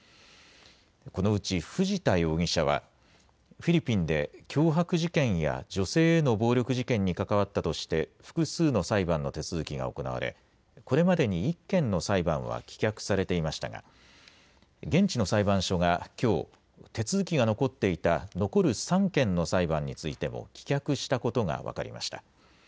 このうち藤田容疑者は、フィリピンで脅迫事件や女性への暴力事件に関わったとして、複数の裁判の手続きが行われ、これまでに１件の裁判は棄却されていましたが、現地の裁判所がきょう、手続きが残っていた残る３件の裁判についても棄却したことが分かりました。